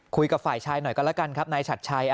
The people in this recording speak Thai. คุยกับฝ่ายชายหน่อยกันแล้วกันครับนายฉัดชัย